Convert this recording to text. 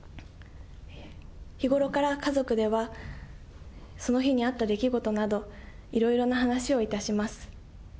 日頃から家族では、その日にあった出来事など、いろいろな話をいたします。